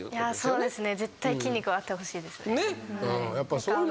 そうですね。